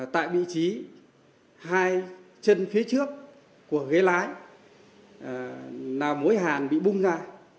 tại vị trí hai chân phía trước của ghế lái là mối hàn bị bung ra